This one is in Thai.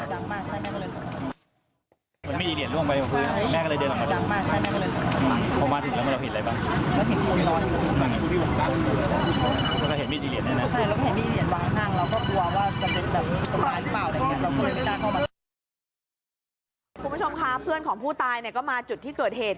คุณผู้ชมค่ะเพื่อนของผู้ตายเนี่ยก็มาจุดที่เกิดเหตุ